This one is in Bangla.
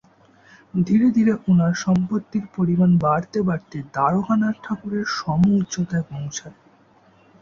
ধীরে ধীরে ওনার সম্পত্তির পরিমাণ বাড়তে বাড়তে দ্বারকানাথ ঠাকুরের সমউচ্চতায় পৌঁছায়।